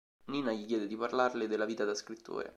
Nina gli chiede di parlarle della vita da scrittore.